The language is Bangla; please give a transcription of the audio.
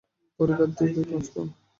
পরিবারে দুই ভাই, পাঁচ বোন।